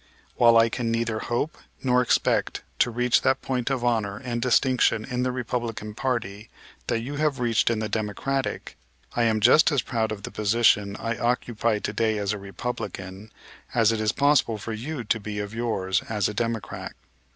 While I can neither hope nor expect to reach that point of honor and distinction in the Republican party that you have reached in the Democratic, I am just as proud of the position I occupy to day as a Republican, as it is possible for you to be of yours as a Democrat.